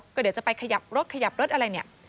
ก็เดี๋ยวจะไปขยับรถขยับรถอะไรเนี่ย